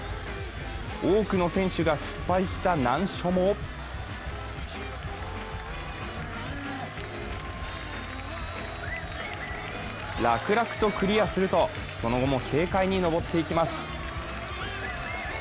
多くの選手が失敗した難所も楽々とクリアするとその後も軽快に登っていきます。